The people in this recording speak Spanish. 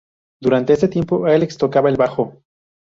Durante este tiempo, Alex tocaba el bajo.